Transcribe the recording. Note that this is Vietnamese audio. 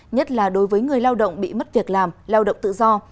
nhất là đối với người lao động bị mất việc làm lao động tự do